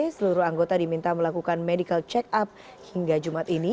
seluruh anggota diminta melakukan medical check up hingga jumat ini